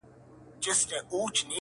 o ځكه چي دا خو د تقدير فيصله.